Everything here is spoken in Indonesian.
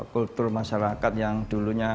kultur masyarakat yang dulunya